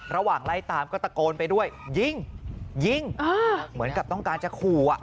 ระหว่างไล่ตามก็ตะโกนไปด้วยยิงยิงเหมือนกับต้องการจะขู่อ่ะ